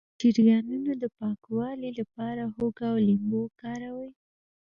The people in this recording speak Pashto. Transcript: د شریانونو د پاکوالي لپاره هوږه او لیمو وکاروئ